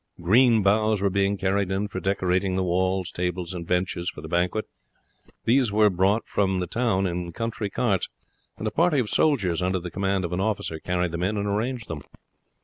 Green boughs were being carried in for decorating the walls, tables, and benches for the banquet. These were brought from the town in country carts, and a party of soldiers under the command of an officer carried them in and arranged them.